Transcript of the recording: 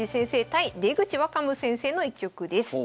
対出口若武先生の一局です。